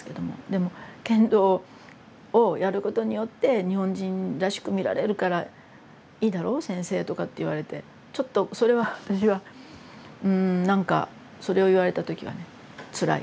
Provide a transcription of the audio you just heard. でも「剣道をやることによって日本人らしく見られるからいいだろう先生」とかって言われてちょっとそれは私はうん何かそれを言われた時はねつらい。